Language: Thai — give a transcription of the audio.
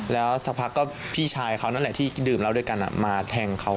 แล้วสักพักก็พี่ชายเขานั่นแหละที่ดื่มเหล้าด้วยกันมาแทงเขา